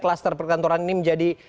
kluster perkantoran ini menjadi